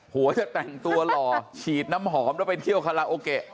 หัวจะแต่งตัวหล่อฉีดน้ำหอมแล้วไปเที่ยวคาราโอเกะ